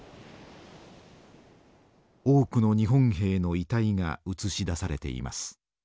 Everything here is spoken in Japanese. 多くの日本兵の遺体が映し出されています。